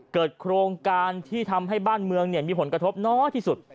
โครงการที่ทำให้บ้านเมืองมีผลกระทบน้อยที่สุด